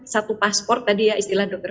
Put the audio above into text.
satu paspor tadi ya istilah dokter